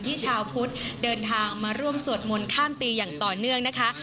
ชาวพุทธเดินทางมาร่วมสวดมนต์ข้ามปีอย่างต่อเนื่องนะคะ